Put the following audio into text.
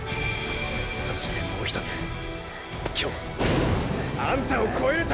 そしてもう一つ今日あんたを超えるためだ！